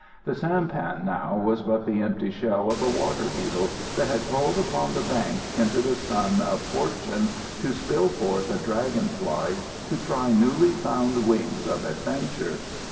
The sampan now was but the empty shell of a water beetle, that had crawled upon the bank into the sun of Fortune to spill forth a dragon fly to try newly found wings of adventure.